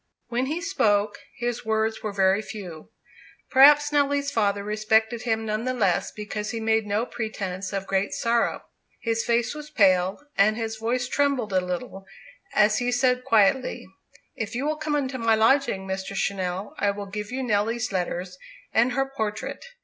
When he spoke, his words were very few. Perhaps Nelly's father respected him none the less because he made no pretence of great sorrow. His face was pale, and his voice trembled a little, as he said quietly, "If you will come into my lodging, Mr. Channell, I will give you Nelly's letters and her portrait.